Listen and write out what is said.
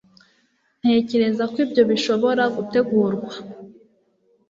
Ntekereza ko ibyo bishobora gutegurwa